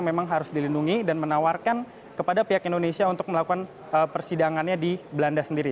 memang harus dilindungi dan menawarkan kepada pihak indonesia untuk melakukan persidangannya di belanda sendiri